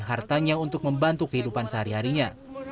hartanya untuk membantu kehidupan sehari harinya